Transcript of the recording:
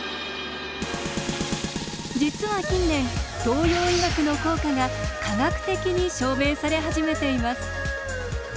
実は近年東洋医学の効果が科学的に証明され始めています。